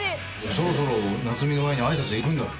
そろそろ奈津美の親に挨拶行くんだろ？